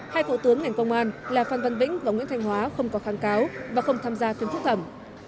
hai cựu tướng ngành công an là phan văn vĩnh và nguyễn thanh hóa không có kháng cáo và không tham gia phiên phúc thẩm